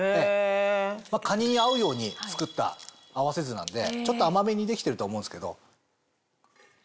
カニに合うように作った合わせ酢なんでちょっと甘めにできてると思うんですけど。